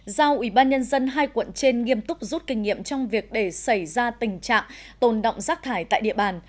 giao ủy ban nhân dân hai quận trên nghiêm túc rút kinh nghiệm trong việc để xảy ra tình trạng tồn động rác thải tại địa bàn